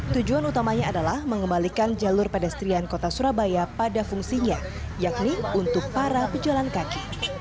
tujuan utamanya adalah mengembalikan jalur pedestrian kota surabaya pada fungsinya yakni untuk para pejalan kaki